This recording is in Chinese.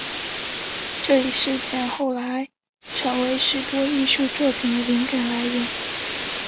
这一事件后来成为许多艺术作品的灵感来源。